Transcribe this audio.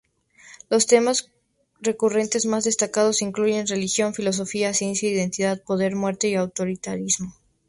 Los temas recurrentes más destacados incluyen religión, filosofía, ciencia, identidad, poder, muerte y autoritarismo.